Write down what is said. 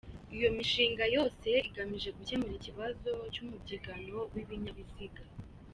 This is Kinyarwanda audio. Iyo mishinga yose igamije gukemura ikibazo cy’umubyigano w’ibinyabiziga.